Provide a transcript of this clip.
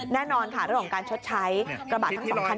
แน่นอนค่ะเรื่องของการชดใช้กระบะทั้งสองคัน